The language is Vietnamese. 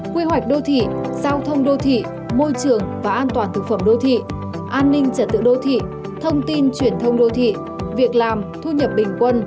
quy hoạch đô thị giao thông đô thị môi trường và an toàn thực phẩm đô thị an ninh trật tự đô thị thông tin truyền thông đô thị việc làm thu nhập bình quân